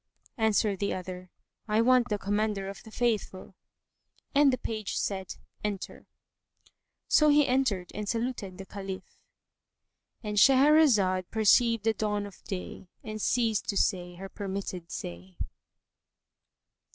Answered the other, "I want the Commander of the Faithful," and the page said, "Enter." So he entered and saluted the Caliph,——And Shahrazad perceived the dawn of day and ceased to say her permitted say.